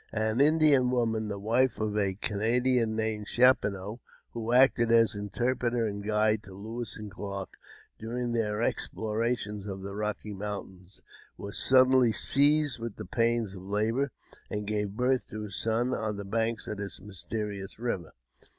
An Indian woman, the wife of a Canadian named Chapineau, who acted as inter preter and guide to Lewis and Clarke during their explorations of the Rocky Mountains, was suddenly seized with the pains of labour, and gave birth to a son on the banks of this, mysterious river.